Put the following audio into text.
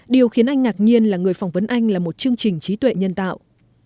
điều khiến anh ngạc nhiên là người phỏng vấn anh là một chương trình trí tuệ nhân tạo